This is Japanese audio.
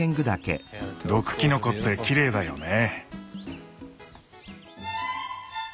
毒キノコってきれいだよね。